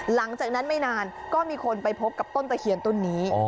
หลังจากนั้นไม่นานก็มีคนไปพบกับต้นตะเคียนต้นนี้